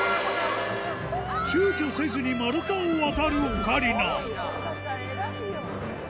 ちゅうちょせずに丸太を渡るオカリナオカちゃん偉いよ！